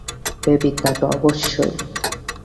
Baby, তা তো অবশ্যই।